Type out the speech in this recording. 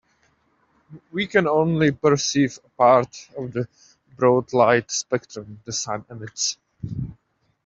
We can only perceive a part of the broad light spectrum the sun emits.